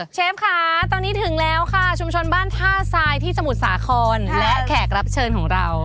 เชฟค่ะตอนนี้ถึงแล้วค่ะชุมชนบ้านท่าทรายที่สมุทรสาครและแขกรับเชิญของเรา